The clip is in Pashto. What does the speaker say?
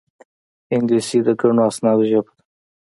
انګلیسي د ګڼو اسنادو ژبه ده